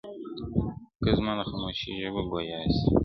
o که زما د خاموشۍ ژبه ګویا سي,